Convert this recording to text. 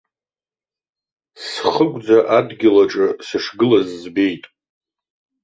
Схыгәӡа адгьыл аҿы сышгылаз збеит.